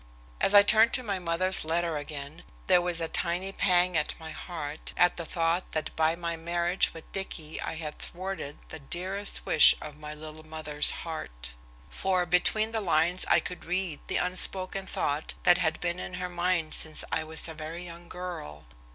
As I turned to my mother's letter again, there was a tiny pang at my heart at the thought that by my marriage with Dicky I had thwarted the dearest wish of my little mother's heart. For between the lines I could read the unspoken thought that had been in her mind since I was a very young girl.